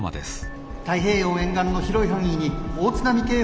太平洋沿岸の広い範囲に大津波警報が出ています。